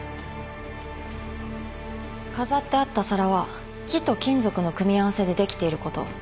飾ってあった皿は木と金属の組み合わせでできていること。